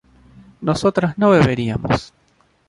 nosotras no beberíamos